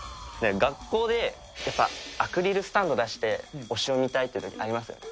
学校でやっぱ、アクリルスタンド出して推しを見たいってときありますよね。